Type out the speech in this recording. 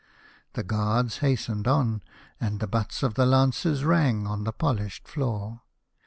The guards hastened on, and the butts of the lances rang upon the polished floor.